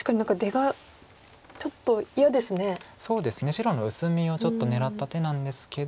白の薄みをちょっと狙った手なんですけど。